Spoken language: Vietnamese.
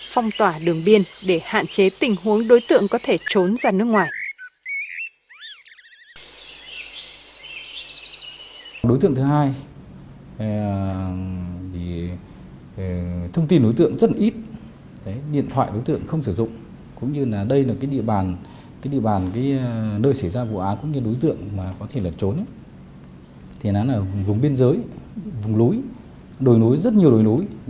phong tỏa đường biên để hạn chế tình huống đối tượng có thể trốn ra nước ngoài